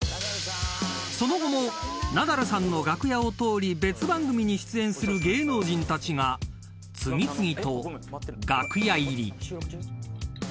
［その後もナダルさんの楽屋を通り別番組に出演する芸能人たちが次々と楽屋入り］